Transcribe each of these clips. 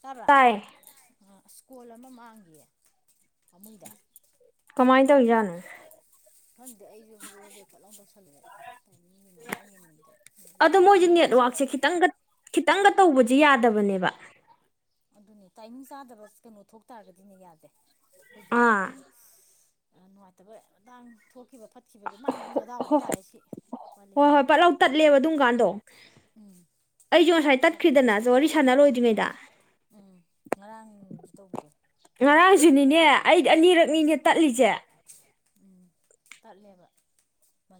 ꯇꯔꯥ ꯇꯥꯏ ꯁꯀꯣꯜ ꯑꯃ ꯃꯥꯡꯈꯤꯌꯦ ꯊꯃꯣꯏꯗ ꯀꯃꯥꯏꯅ ꯇꯧꯔꯤꯖꯥꯠꯅꯣ ꯈꯪꯗꯤꯦ ꯑꯩꯁꯨꯦ ꯍꯣꯕꯦ ꯍꯣꯕꯦ ꯐꯠꯂꯥꯎ ꯇꯧꯁꯜꯂꯛꯦ ꯇꯥꯏꯃꯤꯡꯒꯤ ꯉꯥꯛꯇꯪ ꯌꯦꯡꯃꯟꯗ꯭ꯔꯦ ꯑꯗꯣ ꯃꯣꯏꯁꯦ ꯅꯦꯠꯋꯥꯛꯁꯦ ꯈꯤꯇꯪꯒ ꯈꯤꯇꯪꯒ ꯇꯧꯕꯁꯤ ꯌꯥꯗꯕꯅꯦꯕ ꯑꯗꯨꯅꯦ ꯇꯥꯏꯃꯤꯡ ꯆꯥꯗꯕ ꯀꯩꯅꯣ ꯊꯣꯛꯇꯥꯔꯒꯗꯤꯅꯦ ꯌꯥꯗꯦ ꯑꯩꯈꯣꯏꯒꯤ ꯑꯥ ꯈꯤꯇꯪ ꯅꯨꯡꯉꯥꯏꯇꯕ ꯑꯗꯥꯥꯡ ꯊꯣꯛꯈꯤꯕ ꯐꯠꯈꯤꯕꯒꯤ ꯃꯥꯏ ꯃꯥꯏ ꯃꯗꯥꯎ ꯍꯥꯏꯇꯥꯔꯦ ꯁꯤ ꯀ ꯍꯣꯏ ꯂꯩꯇꯦ ꯍꯣꯏ ꯄꯠꯂꯥꯎ ꯇꯠꯂꯦꯕ ꯑꯗꯨꯝꯀꯥꯟꯗꯣ ꯎꯝ ꯑꯩꯁꯨ ꯉꯁꯥꯏ ꯇꯠꯄ ꯇꯠꯈ꯭ꯔꯤꯗꯅꯁꯨ ꯋꯥꯔꯤ ꯎꯝ ꯁꯥꯟꯅꯔꯣꯏꯗ꯭ꯔꯤꯉꯩꯗ ꯎꯝ ꯉꯔꯥꯡꯁꯨ ꯇꯧꯕꯗꯣ ꯉꯔꯥꯡꯁꯨꯅꯤꯅꯦ ꯇꯠꯂꯤꯅꯦ ꯑꯩꯗꯤ ꯎꯝ ꯑꯅꯤꯔꯛꯅꯤꯅꯦ ꯇꯠꯂꯤꯁꯦ ꯎꯝ ꯇꯠꯂꯦꯕ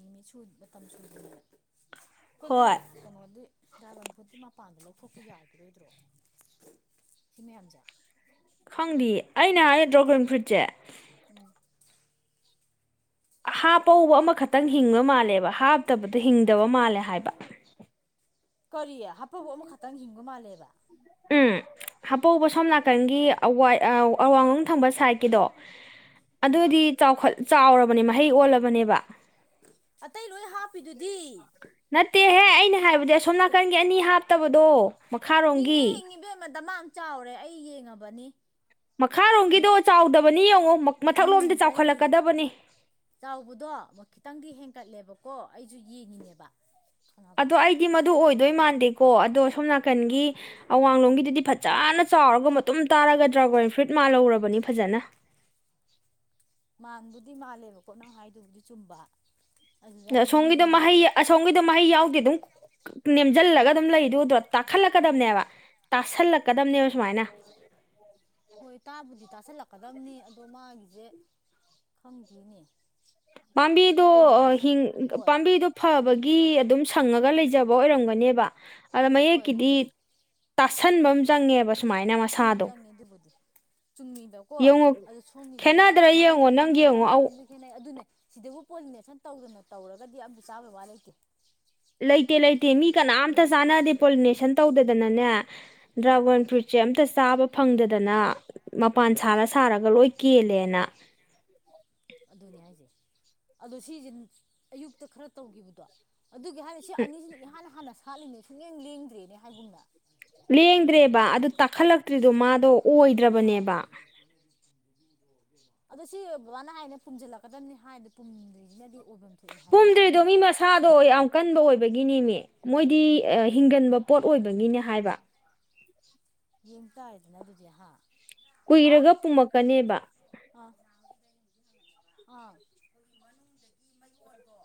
ꯅꯨꯃꯤ ꯃꯇꯝ ꯁꯨꯗꯅꯦꯕ ꯑꯩꯈꯣꯏꯒꯤ ꯍꯣꯏ ꯀꯩꯅꯣꯗꯤ ꯗ꯭ꯔꯥꯒꯟ ꯐ꯭ꯔꯨꯠꯇꯤ ꯃꯄꯥꯟꯗ ꯂꯧꯊꯣꯛꯄ ꯌꯥꯈꯤꯔꯣꯏꯗ꯭ꯔꯣ ꯁꯤ ꯃꯌꯥꯝꯁꯦ ꯈꯪꯗꯦ ꯑꯩꯅ ꯍꯥꯏ ꯗ꯭ꯔꯣꯒꯟ ꯐ꯭ꯔꯨꯏꯠꯁꯦ ꯎꯝ ꯍꯥꯞꯄꯧꯕ ꯑꯃꯈꯛꯇꯪ ꯍꯤꯡꯕ ꯃꯥꯜꯂꯦꯕ ꯍꯥꯞꯇꯕꯗ ꯍꯤꯡꯗꯕ ꯃꯥꯜꯂꯦ ꯍꯥꯏꯕ ꯀꯔꯤꯌꯦ ꯍꯥꯞꯐꯕ ꯑꯃꯈꯛꯇꯪ ꯍꯤꯡꯕ ꯃꯥꯜꯂꯦꯕ ꯎꯝ ꯍꯥꯄꯧꯕ ꯁꯣꯝ ꯅꯥꯀꯟꯒꯤ ꯑꯋꯥꯡꯂꯣꯡ ꯊꯪꯕ ꯁꯥꯏꯠꯀꯤꯗꯣ ꯑꯥ ꯑꯗꯨꯗꯤ ꯆꯥꯎꯈ ꯆꯥꯎꯔꯕꯅꯦ ꯃꯍꯩ ꯑꯣꯜꯂꯕꯅꯦꯕ ꯑꯇꯩ ꯂꯣꯏ ꯍꯥꯞꯄꯤꯗꯨꯗꯤ ꯅꯠꯇꯦꯍꯦ ꯑꯩꯅ ꯍꯥꯏꯕꯗꯤ ꯑꯁꯣꯝ ꯅꯥꯀꯟꯒꯤ ꯑꯅꯤ ꯍꯥꯞꯇꯕꯗꯣ ꯍꯤꯡꯉꯤ ꯃꯈꯥꯔꯣꯝꯒꯤ ꯍꯤꯡꯉꯤꯕꯦꯝꯃꯗ ꯆꯥꯎꯔꯦ ꯑꯩ ꯌꯦꯡꯉꯕꯅꯤ ꯃꯈꯥꯔꯣꯝꯒꯤꯗꯣ ꯆꯥꯎꯗꯕꯅꯤ ꯌꯦꯡꯉꯣ ꯃꯊꯛꯂꯣꯝꯗ ꯎꯝ ꯇꯥꯏꯅꯤꯡꯗꯦ ꯆꯥꯎꯈꯠꯂꯛꯀꯗꯕꯅꯤ ꯆꯥꯎꯕꯗꯣ ꯈꯤꯇꯪꯗꯤ ꯍꯦꯟꯀꯠꯂꯦꯕꯀꯣ ꯑꯩꯁꯨ ꯌꯦꯡꯉꯤꯅꯦꯕ ꯈꯪꯉꯕ ꯑꯗꯣ ꯑꯩꯗꯤ ꯃꯗꯨ ꯑꯣꯏꯗꯣꯏ ꯃꯥꯟꯗꯦꯀꯣ ꯑꯗꯣ ꯁꯣꯝ ꯅꯥꯀꯟꯒꯤ ꯑꯋꯥꯡꯂꯣꯝꯒꯤꯗꯨꯗꯤ ꯐꯖꯅ ꯆꯥꯎꯔꯒ ꯃꯇꯨꯝ ꯇꯥꯔꯒ ꯗ꯭ꯔꯥꯒꯣꯟ ꯐ꯭ꯔꯨꯏꯠ ꯃꯥ ꯂꯧꯔꯕꯅꯤ ꯐꯖꯅ ꯃꯥꯟꯕꯨꯗꯤ ꯃꯥꯜꯂꯦꯕꯀꯣ ꯅꯪ ꯍꯥꯏꯗꯨꯕꯨꯗꯤ ꯆꯨꯝꯕ ꯑꯗꯨꯗ ꯑꯩꯗꯤ ꯌꯦꯡꯉꯤꯅꯦꯕ ꯁꯣꯝꯒꯤꯗꯣ ꯃꯍꯩ ꯌꯥꯎꯗꯦ ꯑꯗꯨꯝ ꯅꯦꯝꯁꯤꯜꯂꯒ ꯑꯗꯨꯝ ꯂꯩꯗꯨꯗꯨ꯭ꯔꯣ ꯇꯥꯈꯠꯂꯛꯀꯗꯝꯕꯅꯦꯕ ꯇꯥꯁꯜꯂꯛꯀꯗꯕꯅꯦꯕ ꯁꯨꯃꯥꯏꯅ ꯍꯣꯏ ꯇꯥꯕꯨꯗꯤ ꯇꯥꯁꯜꯂꯛꯀꯗꯕꯅꯤ ꯑꯗꯣ ꯃꯥꯒꯤꯁꯦ ꯈꯪꯗꯅꯦ ꯄꯝꯕꯤꯗꯨ ꯍꯤꯡ ꯍꯣꯏ ꯄꯝꯕꯤꯗꯨ ꯐꯕꯒꯤ ꯑꯗꯨꯝ ꯁꯪꯉꯒ ꯂꯩꯖꯕ ꯑꯣꯏꯔꯝꯒꯅꯦꯕ ꯑꯗ ꯍꯣꯏ ꯃꯌꯦꯛꯀꯤꯗꯤ ꯑꯗꯨꯕꯨꯗꯤ ꯇꯥꯁꯟꯕ ꯑꯃ ꯆꯪꯉꯦꯕ ꯁꯨꯃꯥꯏꯅ ꯇꯥꯁꯟꯕ ꯑꯃ ꯃꯁꯥꯗꯣ ꯆꯪꯉꯦ ꯑꯗꯨꯕꯨꯗꯤ ꯆꯨꯝꯃꯤꯗꯀꯣ ꯌꯦꯡꯉꯣ ꯑꯗꯣ ꯁꯣꯝꯒꯤꯁꯦ ꯍꯣꯏ ꯈꯦꯠꯅꯗ꯭ꯔꯥ ꯁꯨꯃꯥꯏꯅ ꯌꯦꯡꯉꯣ ꯅꯪ ꯈꯦꯠꯅꯩ ꯌꯦꯡꯉꯣ ꯑꯧ ꯇꯃꯥꯗꯕꯁꯨ ꯈꯦꯠꯅꯩ ꯑꯗꯨꯅꯦ ꯑꯗꯨꯕꯨ ꯄꯣꯂꯤꯅꯦꯁꯟ ꯇꯧꯗꯅ ꯇꯧꯔꯒꯗꯤ ꯑꯗꯤ ꯆꯥꯕꯩ ꯋꯥ ꯂꯩꯇꯦ ꯂꯩꯇꯦ ꯂꯩꯇꯦ ꯃꯤ ꯀꯅꯥꯝꯇ ꯆꯥꯟꯅꯗꯦ ꯄꯣꯂꯤꯅꯦꯁꯟ ꯇꯧꯗꯗꯅꯅꯦ ꯎꯝ ꯗ꯭ꯔꯥꯒꯣꯟ ꯐ꯭ꯔꯨꯏꯠ ꯁꯦ ꯑꯃꯝꯇ ꯆꯥꯕ ꯐꯪꯗꯗꯅ ꯃꯄꯥꯟ ꯁꯥꯂ ꯁꯥꯔꯒ ꯂꯣꯏ ꯀꯦꯜꯂꯦꯅ ꯑꯗꯨꯅꯦ ꯍꯥꯏꯁꯦ ꯑꯗꯣ ꯁꯤꯁꯦ ꯑꯌꯨꯛꯇ ꯈꯔ ꯇꯧꯈꯤꯕꯗꯣ ꯑꯗꯨꯒꯤ ꯍꯥꯏꯅꯗꯤ ꯁꯤ ꯑꯅꯤꯁꯤꯅ ꯏꯍꯥꯟ ꯍꯥꯟꯅ ꯁꯥꯠꯂꯤꯅꯦ ꯁꯨꯡꯌꯦꯡ ꯂꯦꯡꯗ꯭ꯔꯦꯅꯦ ꯍꯥꯏꯕꯨꯝꯅ ꯂꯦꯡꯗ꯭ꯔꯦꯕ ꯑꯗꯨ ꯇꯥꯈꯠꯂꯛꯇ꯭ꯔꯤꯗꯣ ꯃꯥꯗꯣ ꯑꯥ ꯑꯣꯏꯗ꯭ꯔꯕꯅꯦꯕ ꯑꯗꯣ ꯁꯤ ꯕꯕꯥꯅ ꯍꯥꯏꯅ ꯄꯨꯨꯝꯁꯤꯜꯂꯛꯀꯗꯕꯅꯤ ꯍꯥꯏꯕꯗꯤ ꯄꯨꯨꯝꯗ꯭ꯔꯤꯁꯤꯅꯗꯤ ꯑꯣꯏꯕꯅꯤ ꯄꯨꯝꯗ꯭ꯔꯤꯗꯣ ꯃꯤ ꯃꯁꯥ ꯑꯗꯣ ꯌꯥꯝ ꯀꯟꯕ ꯑꯣꯏꯕꯒꯤꯅꯦ ꯃꯤ ꯃꯣꯏꯗꯤ ꯍꯤꯡꯒꯟꯕ ꯄꯣꯠ ꯑꯣꯏꯕꯒꯤꯅꯦ ꯍꯥꯏꯕ ꯌꯦꯡ ꯇꯥꯔꯗꯅ ꯑꯗꯨꯗꯤ ꯑꯍꯥ ꯀꯨꯏꯔꯒ ꯄꯨꯝꯃꯛꯀꯅꯦꯕ ꯑꯥ ꯑꯥ ꯑꯗꯒꯤ ꯃꯌꯣꯟꯗꯣ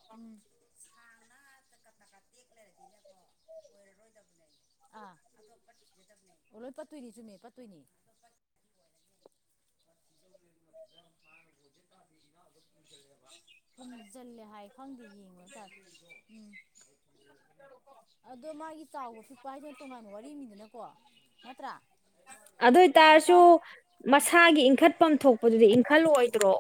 ꯁꯥꯡꯅ ꯇꯀ ꯇꯀꯥ ꯇꯦꯛ ꯂꯩꯔꯗꯤꯅꯀꯣ ꯑ ꯑꯣ ꯂꯣꯏ ꯄꯠꯇꯣꯏꯅꯤ ꯆꯨꯝꯃꯦ ꯄꯠꯇꯣꯏꯅꯤ ꯃꯥ ꯍꯧꯖꯤ ꯊꯨꯝꯖꯤꯜꯂꯦ ꯍꯥꯏ ꯈꯪꯗꯦ ꯌꯦꯡꯉꯣ ꯇꯔꯦ ꯎꯝ ꯑꯗꯣ ꯃꯥꯒꯤ ꯆꯥꯎꯥꯎꯕ ꯐꯤ ꯎꯄꯥꯏꯗꯣ ꯇꯣꯉꯥꯟꯕ ꯋꯥꯔꯤꯅꯤꯗꯅꯀꯣ ꯅꯠꯇ꯭ꯔꯥ ꯑꯁ ꯑꯗꯨ ꯑꯥ ꯆꯥꯎ ꯑꯥ ꯐꯝꯝ ꯊꯣꯛꯄꯗꯨꯗꯤ ꯏꯟꯈꯠꯂꯑꯣꯣꯏꯗ꯭ꯔꯣ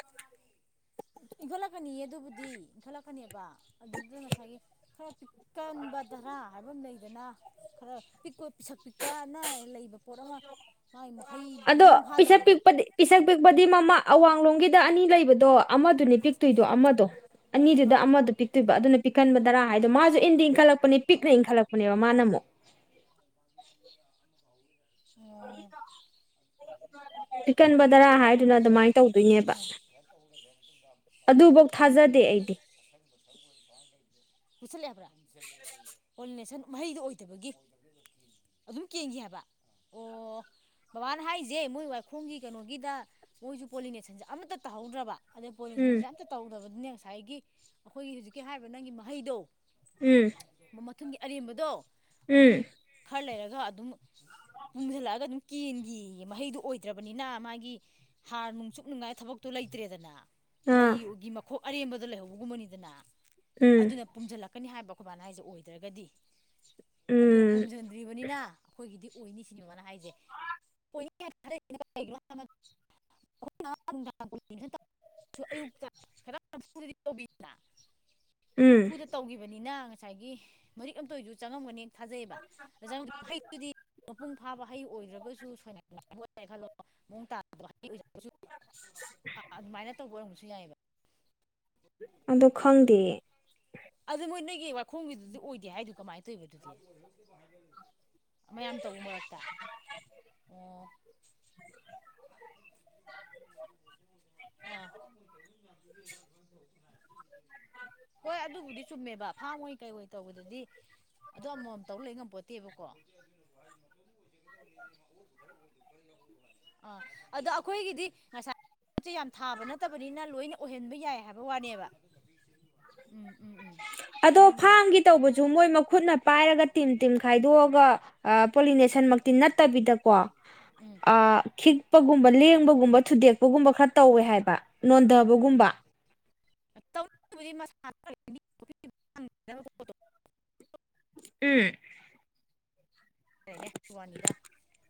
ꯏꯟꯈꯠꯂꯛꯀꯅꯤꯌꯦ ꯑꯗꯨꯕꯨꯗꯤ ꯏꯟꯈꯠꯂꯛꯀꯅꯦꯕ ꯑꯗꯨꯗꯨꯗ ꯉꯁꯥꯏꯒꯤ ꯈꯔ ꯀꯟꯕꯗ꯭ꯔꯥ ꯍꯥꯏꯕ ꯑꯃ ꯂꯩꯗꯅ ꯈꯔ ꯄꯤꯛꯄ ꯄꯤꯁꯛ ꯄꯤꯛꯄꯅ ꯂꯩꯕ ꯄꯣꯠ ꯑꯃ ꯃꯥꯒꯤ ꯍꯩ ꯑꯗꯣ ꯍꯩꯖꯤꯡ ꯄꯤꯁꯛ ꯐꯥꯗꯕꯗꯣ ꯄꯤꯛꯄꯗꯤ ꯄꯤꯁꯛ ꯄꯤꯛꯄꯗꯤ ꯃꯃꯥ ꯑꯋꯥꯡꯂꯣꯝꯒꯤꯗ ꯑꯅꯤ ꯂꯩꯕꯗꯣ ꯑꯃꯗꯨꯅꯤ ꯄꯤꯛꯇꯣꯏꯗꯣ ꯑꯃꯗꯣ ꯑꯅꯤꯗꯨꯗ ꯑꯃꯗ ꯄꯤꯛꯇꯣꯏꯕ ꯑꯗꯨꯅ ꯄꯤꯛꯈꯟꯕꯗꯔꯥ ꯍꯥꯏꯗꯣ ꯃꯥꯁꯨ ꯏꯟꯗꯤ ꯏꯟꯈꯠꯂꯛꯄꯅꯦ ꯄꯤꯛꯅ ꯏꯟꯈꯠꯂꯛꯄꯅꯦꯕ ꯃꯥꯅ ꯑꯃꯨꯛ ꯑꯣ ꯄꯤꯛꯀꯟꯕꯗꯔꯥ ꯍꯥꯏꯗꯨꯅ ꯑꯗꯨꯃꯥꯏꯅ ꯇꯧꯗꯣꯏꯅꯦꯕ ꯑꯗꯨꯐꯧ ꯊꯥꯖꯗꯦ ꯑꯩꯗꯤ [unintelligible] ꯃꯨꯁꯜꯂꯛꯑꯦꯕ꯭ꯔꯥꯣꯦꯁꯟ ꯃꯍꯩꯗꯣ ꯑꯣꯏꯗꯕꯒꯤ ꯑꯗꯨꯝ ꯀꯦꯡꯒ ꯍꯥꯏꯕ ꯑꯣ ꯕꯕꯥꯅ ꯍꯥꯏꯔꯤꯁꯦ ꯃꯣꯏ ꯋꯥꯏꯈꯣꯡꯒꯤ ꯀꯩꯅꯣꯒꯤꯗ ꯃꯣꯏꯁꯨ ꯄꯣꯂꯤꯅꯦꯁꯟꯁꯦ ꯑꯃꯠꯇ ꯇꯥꯍꯧꯗ꯭ꯔꯕ ꯑꯗꯩ ꯎꯝ ꯄꯣꯂꯤꯨꯁꯟꯁꯦ ꯑꯝꯇ ꯇꯧꯗꯕꯅꯤꯅꯦ ꯉꯁꯥꯏꯒꯤ ꯑꯩꯈꯣꯏꯒꯤ ꯍꯧꯖꯤꯛꯀꯤ ꯍꯥꯏꯔꯤꯕ ꯅꯪꯒꯤ ꯃꯍꯩꯗꯣ ꯎꯝ ꯃꯊꯟꯒꯤ ꯑꯔꯦꯝꯕꯗꯣ ꯎꯝ ꯑꯗꯨꯝ ꯈꯔ ꯂꯩꯔꯒ ꯑꯗꯨꯝ ꯃꯨꯝꯁꯤꯜꯂꯛꯑꯒ ꯑꯗꯨꯝ ꯀꯦꯟꯒꯤ ꯃꯍꯩꯗꯨꯣ ꯑꯣꯏꯗ꯭ꯔꯕꯅꯤꯅ ꯃꯥꯒꯤ ꯍꯥꯔ ꯅꯨꯡꯆꯨꯞ ꯅꯨꯡꯉꯥꯏ ꯊꯕꯛꯇꯣ ꯂꯩꯇ꯭ꯔꯦꯗꯅ ꯑꯥ ꯂꯩꯒꯤ ꯃꯈꯣꯛ ꯑꯔꯦꯝꯕꯗ ꯂꯩꯍꯧꯕꯒꯨꯝꯕꯅꯤꯗꯅ ꯎꯝ ꯑꯗꯨꯅ ꯄꯨꯝꯁꯤꯜꯂꯛꯀꯅꯤ ꯍꯥꯏꯕ ꯑꯩꯈꯣꯏ ꯃꯅꯥꯏꯁꯦ ꯑꯣꯏꯗ꯭ꯔꯒꯗꯤ ꯑꯗꯨꯅ ꯎꯝ ꯄꯨꯝꯁꯤꯟꯗ꯭ꯔꯤꯕꯅꯤꯅ ꯑꯩꯈꯣꯏꯒꯤꯗꯤ ꯑꯣꯏꯅꯤ ꯁꯤꯅꯦꯕꯅ ꯍꯥꯏꯁꯦ [unintelligible] ꯁꯨ ꯑꯌꯨꯛꯇ ꯈꯤꯇ ꯅꯐꯨꯨꯔꯗꯤ ꯇꯧꯕꯤꯗꯅ ꯎꯝ ꯅꯝꯐꯨꯗ ꯇꯧꯈꯤꯕꯅꯤꯅ ꯉꯁꯥꯏꯒꯤ ꯃꯔꯤꯛ ꯑꯃꯝꯇ ꯑꯣꯏꯁꯨ ꯆꯪꯉꯝꯒꯅꯤ ꯊꯥꯖꯩꯌꯦꯕꯖ ꯃꯄꯨꯡ ꯐꯥꯕ ꯍꯩ ꯑꯣꯏꯗ꯭ꯔꯕꯒꯁꯨ ꯁꯣꯏꯅꯥꯥꯏ ꯈꯜꯂꯣ ꯃꯑꯣꯡ ꯇꯥ ꯑꯥ ꯑꯗꯨꯃꯥꯏꯅ ꯇꯧꯕ ꯑꯣꯏꯔꯝꯝꯕꯁꯨ ꯌꯥꯏꯑꯕ ꯑꯗꯣ ꯈꯪꯗꯦ ꯑꯗꯨ ꯅꯣꯏ ꯅꯣꯏꯒꯤ ꯋꯥꯈꯣꯡꯒꯤꯗꯨꯗꯤ ꯑꯣꯏꯗꯦ ꯍꯥꯏꯗꯨ ꯀꯃꯥꯏꯅ ꯇꯧꯕ ꯑꯗꯨꯗꯤ ꯃꯌꯥꯝ ꯇꯧꯕ ꯃꯔꯛꯇ ꯑꯣ [unintelligible] ꯑꯥ ꯍꯣꯏ ꯑꯗꯨꯕꯨꯗꯤ ꯆꯨꯝꯃꯦꯕ ꯐꯥꯝ ꯍꯩ ꯀꯩꯍꯣꯏ ꯇꯧꯕꯗꯗꯤ ꯑꯗꯣ ꯑꯃꯃꯝꯇꯧ ꯂꯩ ꯉꯝꯄꯣꯠꯇꯦꯕꯀꯣ [inaudible] ꯑꯥ ꯑꯗꯣ ꯑꯩꯈꯣꯏꯒꯤꯗꯤ ꯉꯁꯥꯏ [unintelligible] ꯌꯥꯝ ꯊꯥꯕ ꯅꯠꯇꯕꯅꯤꯅ ꯂꯣꯏꯅ ꯑꯣꯏꯍꯟꯕ ꯌꯥꯏ ꯍꯥꯏꯕ ꯋꯥꯅꯦꯕ ꯎꯝ ꯎꯝ ꯎꯝ ꯑꯗꯣ ꯑꯗꯨꯅꯤꯗ ꯐꯥꯝꯒꯤ ꯇꯧꯕꯖꯨ ꯃꯣꯏ ꯃꯈꯨꯠꯅ ꯄꯥꯏꯔꯒ ꯇꯤꯝ ꯇꯤꯝ ꯈꯥꯏꯗꯣꯛꯑꯒ ꯑꯥ ꯄꯣꯂꯤꯅꯦꯁꯟ ꯃꯛꯇꯤ ꯅꯠꯇꯕꯤꯗꯀꯣ ꯎꯝ ꯑꯥ ꯈꯤꯛꯄꯒꯨꯝꯕ ꯂꯦꯡ ꯕꯒꯨꯝꯕ ꯊꯨꯗꯦꯛꯄꯒꯨꯝꯕ ꯈꯔ ꯇꯧꯋꯦ ꯍꯥꯏꯌꯦꯕ ꯅꯣꯟꯗꯕꯒꯨꯝꯕ [inaudible] ꯎꯝ [inaudible] ꯅꯦ ꯋꯥꯅꯤꯗ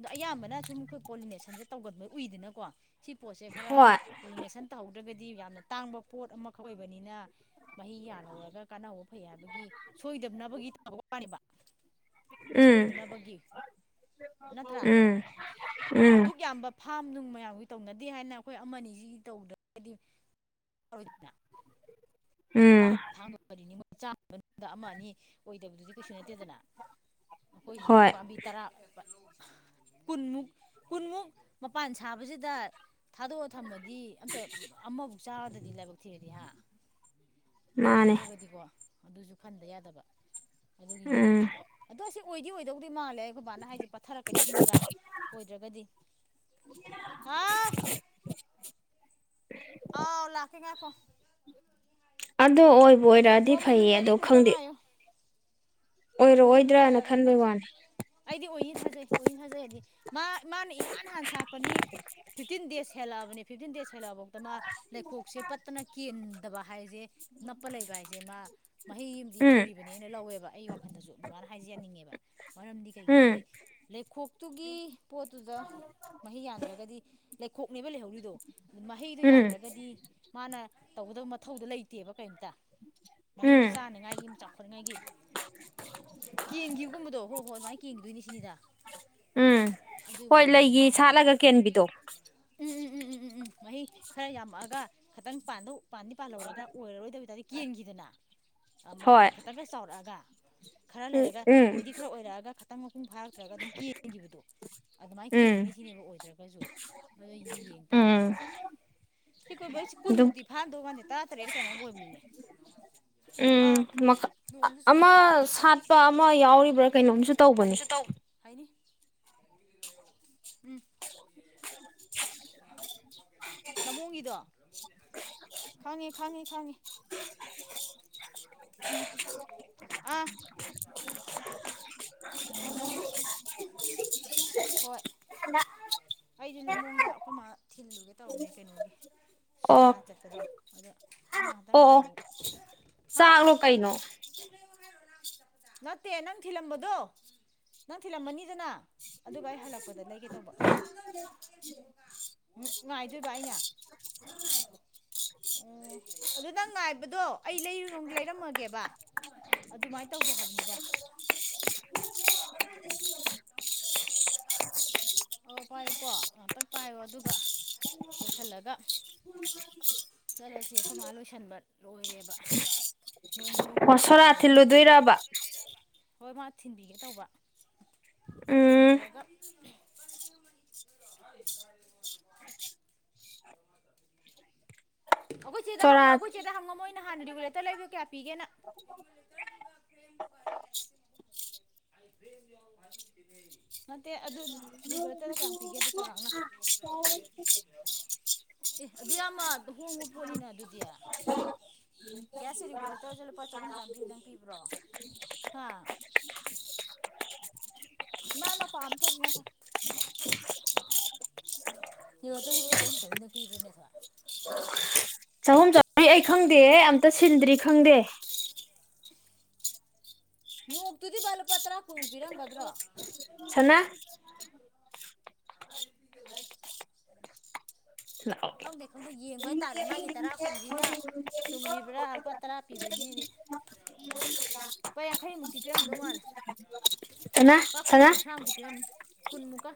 ꯗꯣ ꯑꯌꯥꯝꯕꯅ ꯁꯨꯝ ꯈꯣꯏ ꯄꯣꯂꯤꯅꯦꯁꯟꯁꯦ ꯇꯧꯒꯟꯕ ꯎꯏꯗꯅꯀꯣ ꯁꯤ ꯄꯣꯠꯁꯦ ꯈꯔ ꯍꯣꯏ ꯄꯣꯂꯤꯅꯦꯁꯟ ꯇꯧꯍꯧꯗ꯭ꯔꯒꯗꯤ ꯌꯥꯝꯅ ꯇꯥꯡꯕ ꯄꯣꯠ ꯑꯃꯈꯛ ꯑꯣꯏꯕꯅꯤꯅ ꯃꯍꯩ ꯌꯥꯜꯍꯧꯔꯒ ꯀꯥꯟꯅꯍꯧꯕ ꯐꯩ ꯍꯥꯏꯕꯒꯤ ꯁꯣꯏꯗꯞꯅꯕꯒꯤ [inaudible] ꯋꯥꯅꯦꯕ ꯃꯤꯁ ꯎꯝ ꯑꯣꯏꯗꯅꯕꯒꯤ ꯅꯠꯇ꯭ꯔꯥ ꯎꯝ ꯑꯗꯣ ꯎꯝ ꯑꯗꯨꯛ ꯌꯥꯝꯕ ꯐꯥꯝ ꯅꯨꯡ ꯃꯌꯥꯝꯒꯤ ꯇꯧꯅꯗꯦ ꯍꯥꯏꯅ ꯑꯩꯈꯣꯏ ꯑꯃꯅꯤꯁꯤꯒꯤ ꯇꯧꯗ꯭ꯔꯒꯗꯤ [inaudible] [inaudible] ꯎꯝ ꯃꯅꯨꯡꯗ ꯑꯃ ꯑꯅꯤ ꯑꯣꯏꯗꯕꯗꯨꯗꯤ ꯀꯩꯁꯨ ꯅꯠꯇꯦꯗꯅ ꯑꯩꯈꯣꯏꯁꯤꯗꯤ ꯍꯣꯏ ꯄꯥꯝꯕꯤ ꯇꯔꯥ [inaudible] ꯀꯨꯟꯃꯨꯛ ꯀꯨꯟꯃꯨꯛ ꯃꯄꯥꯟ ꯁꯥꯕꯁꯤꯗ ꯊꯥꯗꯣꯛꯑ ꯊꯝꯃꯗꯤ ꯑꯝꯇ ꯑꯃꯐꯥꯎ ꯆꯥꯗ꯭ꯔꯗꯤ ꯂꯥꯏꯕꯛ ꯊꯤꯔꯗꯤ ꯍꯥ ꯃꯥꯅꯦ ꯑꯣꯏꯍꯧꯗ꯭ꯔꯒꯗꯤꯀꯣ ꯑꯗꯨꯁꯨ ꯈꯟꯗ ꯌꯥꯗꯕ ꯑꯗꯨꯒꯤꯅꯤꯗ ꯎꯝ ꯑꯗꯣ ꯁꯤ ꯑꯣꯏꯗꯤ ꯑꯣꯏ ꯗꯧꯗꯤ ꯃꯥꯜꯂꯦ ꯈꯣꯏꯕꯥꯅ ꯍꯥꯏꯁꯦ ꯄꯠꯊꯔꯛꯀꯅꯤ ꯁꯤꯅꯦꯕ ꯑꯣꯏꯗ꯭ꯔꯒꯗꯤ ꯍꯥꯥꯎ [inaudible] ꯑꯥꯎ ꯂꯥꯛꯀꯦ ꯉꯥꯏꯈꯣ ꯑꯗꯣ ꯑꯣꯏꯕꯨ ꯑꯣꯏꯔꯛꯑꯗꯤ ꯑꯣ ꯃꯤꯅꯤꯠ ꯐꯩꯌꯦ ꯑꯗꯣ ꯈꯪꯗꯦ ꯅꯤ ꯃꯔꯤꯃꯨꯛ ꯑꯣꯏꯔꯛꯑꯣꯏꯗ꯭ꯔꯅ ꯂꯩꯔꯒ ꯈꯟꯕꯩ ꯇꯧꯁꯤ ꯋꯥꯅꯤ ꯑꯩꯗꯤ ꯑꯣꯏꯅꯤ ꯊꯥꯖꯩ ꯑꯣꯏꯅꯤ ꯊꯥꯖꯩ ꯍꯥꯏꯗꯤ ꯃꯥ ꯃꯥꯅ ꯏꯍꯥꯟ ꯍꯥꯟꯅꯥ ꯁꯠꯄꯥꯅꯤ ꯐꯤꯞꯇꯤꯟ ꯗꯦꯖ ꯍꯦꯜꯂꯛꯑꯕꯅꯦ ꯐꯤꯞꯇꯤꯟ ꯗꯦꯖ ꯍꯦꯜꯂꯛꯑꯕꯥꯎꯇ ꯃꯥ ꯂꯩꯈꯣꯛꯁꯦ ꯄꯠꯇꯅ ꯀꯦꯟꯗꯕ ꯍꯥꯏꯖꯦ ꯅꯞꯄ ꯂꯩꯕ ꯍꯥꯏꯁꯦ ꯃꯥ ꯃꯍꯩ ꯑꯃꯗꯤ ꯎꯝ ꯑꯣꯏꯔꯤꯕꯅꯦꯅ ꯂꯧꯋꯦꯕ ꯑꯩ ꯋꯥꯈꯟꯗꯁꯨ ꯕꯕꯥꯅ ꯍꯥꯏꯖꯦ ꯌꯥꯅꯤꯡꯉꯦꯕ ꯃꯔꯝꯗꯤ ꯎꯝ ꯀꯩꯒꯤꯅꯣꯗꯤ ꯂꯩꯈꯣꯛꯇꯨꯒꯤ ꯄꯣꯠꯇꯨꯗ ꯃꯍꯩ ꯌꯥꯟꯗ꯭ꯔꯒꯗꯤ ꯂꯩꯈꯣꯛꯅꯦꯕ ꯂꯩꯍꯧ ꯔꯤꯗꯣ ꯃꯍꯩꯗꯣ ꯎꯝ ꯌꯥꯟꯗ꯭ꯔꯒꯗꯤ ꯃꯥꯅ ꯇꯧꯒꯗꯕ ꯃꯊꯧꯗꯣ ꯂꯩꯇꯦꯕ ꯀꯔꯤꯝꯇ ꯃꯍꯩꯗꯨ ꯎꯝ ꯆꯥꯅꯉꯥꯏꯒꯤ ꯆꯥꯎꯈꯠꯅꯉꯥꯏꯒꯤ ꯀꯦꯟꯈꯤꯕꯒꯨꯝꯕꯗꯣ ꯍꯣ ꯍꯣ ꯑꯗꯨꯃꯥꯏ ꯀꯦꯟꯈꯤꯗꯣꯏꯅꯤ ꯁꯤꯅꯤꯗ ꯎꯝ ꯑꯗꯨꯒꯤ ꯍꯣꯏ ꯋꯥꯔꯤꯅꯤꯗ ꯂꯩꯒꯤ ꯃꯥ ꯍꯥꯏꯁꯦ ꯁꯥꯠꯂꯒ ꯀꯦꯟꯕꯤꯗꯣ ꯎꯝ ꯎꯝ ꯎꯝ ꯎꯝ ꯃꯍꯩ ꯈꯔ ꯌꯥꯝꯃꯛꯑꯒ ꯈꯇꯪ ꯄꯥꯟꯗꯧ ꯄꯥꯟꯗꯤ ꯄꯥꯜꯍꯧꯔꯒ ꯑꯣꯏꯔꯔꯣꯏꯗꯕꯩ ꯇꯥꯏꯞꯇꯥ ꯀꯦꯟꯈꯤꯗꯅ ꯑ ꯃ ꯃ ꯍꯣꯏ ꯈꯇꯪꯒ ꯆꯥꯎꯔꯛꯑꯒ ꯈꯔ ꯎꯝ ꯂꯩꯔꯒ ꯎꯝ ꯑꯣꯏꯗꯤ ꯈꯔ ꯑꯣꯏꯔꯛꯑꯒ ꯈꯇꯪ ꯃꯄꯨꯡ ꯐꯥꯔꯛꯇ꯭ꯔꯒ ꯑꯗꯨꯝ ꯀꯦꯟꯈꯤꯕꯗꯣ ꯑꯗꯨꯃꯥꯏ ꯎꯝ ꯀꯦꯟꯒꯤꯅꯤ ꯁꯤꯅꯦꯕ ꯑꯣꯏꯗ꯭ꯔꯒꯁꯨ ꯑꯗꯨꯏꯗꯤ ꯌꯦꯡ ꯎꯝ ꯇꯥꯔꯦꯗꯅ ꯁꯤ ꯀꫭꯏꯕꯔꯁꯦ ꯑꯗꯨꯝ ꯀꯨꯝꯃꯨꯛꯇꯤ ꯐꯔꯝꯗꯧ ꯃꯥꯟꯗꯦ ꯇꯔꯥ ꯇꯔꯦꯠꯂꯥ ꯀꯩꯅꯣꯝ ꯑꯣꯏꯕꯅꯤꯅꯦ ꯑꯥ ꯅꯣꯡꯁꯨ ꯆꯨꯏꯌꯦ ꯑꯥ ꯁꯥꯠꯄ ꯑꯃ ꯌꯥꯎꯔꯤꯕ꯭ꯔꯥ ꯀꯩꯅꯣꯝꯁꯨ ꯇꯧꯕꯅꯦ ꯇꯧ ꯍꯥꯏꯅꯤ [unintelligible] ꯎꯝ [unintelligible] ꯂꯝꯂꯣꯡꯒꯤꯗꯣ [unintelligible] ꯈꯪꯉꯦ ꯈꯪꯉꯦ ꯈꯪꯉꯦ [unintelligible] ꯎꯝ [inaudible] [unintelligible] ꯈꯔꯥ ꯑꯐꯕꯥꯗꯨꯗꯤ ꯑꯅꯤ ꯈꯥꯛꯇ ꯂꯥꯎꯔꯥꯛ ꯑꫭ [unintelligible] ꯍꯣꯏ ꯑꯩꯗꯤ ꯂꯝꯃꯣꯡꯗ ꯑꯩꯈꯣꯏ ꯃꯥ ꯊꯤꯜꯂꯨꯒꯦ ꯇꯧꯕꯅꯦ ꯀꯩꯅꯣꯒꯤ ꯑꯣ ꯁꯣꯔꯥꯠ ꯆꯠꯄꯗꯣ ꯑꯗ ꯃꯤ ꯉꯥꯛꯇ ꯑꯣ ꯑꯣ ꯉꯥꯏꯌꯨ ꯍꯥ ꯆꯥꯛꯂꯣ ꯀꯩꯅꯣ [unintelligible] ꯅꯠꯇꯦ ꯅꯪ ꯊꯤꯜꯂꯝꯕꯗꯣ ꯅꯪ ꯊꯤꯜꯂꯝꯃꯅꯤꯗꯅ ꯑꯗꯨꯒꯑꯩ ꯍꯜꯂꯛꯄꯗ ꯂꯩꯒꯤꯇꯧꯕ ꯎꯝ ꯉꯥꯏꯗꯣꯏꯕ ꯑꯩꯅ [inaudible] ꯑꯣ ꯑꯗꯨ ꯅꯪ ꯉꯥꯏꯕꯗꯣ ꯑꯩ ꯂꯩ ꯂꯩꯔꯝꯃꯒꯦꯕ ꯑꯗꯨꯃꯥꯏ ꯇꯧꯒꯦ ꯍꯥꯏꯕꯅꯤꯗ [unintelligible] [unintelligible] ꯖꯒꯥꯗꫭ ꯂꯩ ꯑꯣ ꯄꯥꯏꯌꯨꯀꯣ ꯉꯥꯛꯇꯪ ꯄꯥꯏꯌꯣ ꯑꯗꯨꯒ ꯂꯣꯏꯁꯤꯜꯂꯒ [inaudible] ꯆꯠꯂꯁꯦ ꯑꯩꯈꯣꯏ ꯃꯥ ꯂꯣꯏꯁꯟꯕ ꯂꯣꯏꯔꯦꯕ ꯅꯣꯡꯁꯦ ꯃꯀꯨꯞ ꯑꯣ ꯃꯀꯨꯞ ꯁꯣꯔꯥ ꯇꯥꯔꯛꯏꯅꯦꯁꯤꯕꯨ ꯊꯤꯜꯂꯨꯗꯣꯏꯔꯕ [unintelligible] ꯍꯣꯏ ꯃꯥ ꯊꯤꯟꯕꯤꯒꯦ ꯇꯧꯕ ꯎꯝ ꯊꯤꯟꯕꯤꯔꯒ [unintelligible] ꯑꯗꯨꯗꯦ ꯍꯥꯏ ꯀꯔꯤꯅꯣ [unintelligible] ꯑꯩꯈꯣꯏ ꯆꯦꯗ ꯍꯪꯉꯣ ꯆꯣꯔꯥ ꯑꯩꯈꯣꯏ ꯆꯦꯗ ꯍꯪꯉꯣ ꯃꯣꯏ ꯅꯍꯟ ꯔꯤꯒꯨꯂꯦꯇꯔ ꯂꯩꯕꯗꯣ ꯀꯌꯥꯄꯤꯒꯦꯅ [inaudible] [unintelligible] [unintelligible] ꯅꯠꯇꯦ ꯑꯗꯨ ꯔꯤꯒꯨꯂꯦꯇꯔ ꯀꯌꯥꯝ ꯄꯤꯒꯦꯗ ꯆꯥꯎꯔꯥꯛꯅ [unintelligible] [unintelligible] ꯑꯦ ꯑꯗꯨ ꯌꯥꯝꯅ ꯍꯣꯡꯕ ꯄꯣꯠꯅꯤꯅꯦ ꯑꯗꯨꯗꯤ [unintelligible] ꯒ꯭ꯌꯥꯁ ꯔꯤꯒꯨꯂꯦꯇꯔꯁꯦ ꯂꯨꯄꯥ ꯆꯍꯨꯝ ꯆꯥꯝꯃꯔꯤꯗꯪ ꯄꯤꯕ꯭ꯔꯣ ꯍꯥ ꯏꯃꯥ ꯑꯩ ꯃꯄꯥꯟ ꯑꯝꯇ ꯊꯣꯛꯈꯤꯒꯦ ꯉꯥꯏꯈꫭ ꯔꯤꯒꯨꯂꯦꯇꯔꯗꯨꯕꯨ ꯁꯍꯨꯝ ꯁꯃꯥꯔꯤ ꯗꯪꯄꯤꯕ꯭ꯔꯅꯦ ꯊꫭꯏ [inaudible] ꯑꯦ ꯑꯝꯇ ꯁꯤꯟꯗ꯭ꯔꯤ ꯈꯪꯗꯦ ꯅꯣꯛꯇꯨꯗꯤ ꯕꯥ ꯂꯨꯄꯥ ꯇꯔꯥ ꯀꯨꯡ ꯄꯤꯔꯝꯒꯗ꯭ꯔꯣ ꯁꯅꯥ [unintelligible] ꯁꯅꯥ ꯈꯪꯗꯦ ꯈꯪꯗꯦ ꯌꯦꯡꯕ ꯍꯥꯏꯇꯥꯔꯦ ꯃꯥꯒꯤ ꯇꯔꯥ ꯀꯨꯟꯖꯤꯅ ꯆꯨꯝꯃꯤꯕ꯭ꯔꯥ ꯂꯨꯄꯥ ꯇꯔꯥ ꯄꯤꯕꯩꯅꯦꯗꯤ ꯂꯨꯄꯥ ꯌꯥꯡꯈꯩꯃꯨꯛꯇꯤ ꯄꯤꯔꯝꯗꯧ ꯃꯥꯜꯂꯤ ꯁꯅꯥ ꯂꯨꯄꯥ ꯀꯨꯟ ꯁꯅꯥ ꯀꯨꯟꯊ꯭ꯔꯥ ꯃꯨꯛꯇꯤ ꯄꯤꯔꯝꯅꯤ ꯀꯨꯟꯃꯨꯛꯀ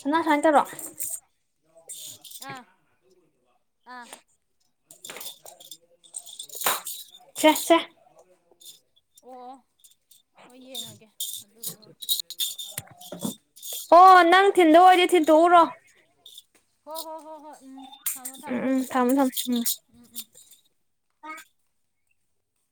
ꯁꯨꯃꯥꯏꯅ ꯇꯧꯔꯣ ꯑꯥ ꯑꯥ [unintelligible] ꯁꯦ ꯁꯦ ꯑꯣ ꯍꯣꯏ ꯌꯦꯡꯉꯒꯦ ꯑꯗꯨꯗꯣ ꯍꯣ ꯍꯣ ꯅꯪ ꯊꯤꯟꯗꯧ ꯑꯣꯏꯔꯗꯤ ꯊꯤꯟꯇꯣꯛꯎꯔꯣ ꯍꯣ ꯍꯣ ꯍꯣ ꯍꯣꯏ ꯎꯝ ꯊꯝꯃꯣ ꯊꯝ ꯎꯝ ꯎꯝ ꯅꯣꯡꯖꯨ ꯊꯝꯃꯣ ꯊꯝꯃꯣ ꯇꯥꯁꯜꯂꯛꯑꯦ ꯎꯝ ꯎꯝ